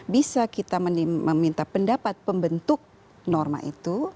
bisa kita meminta pendapat pembentuk norma itu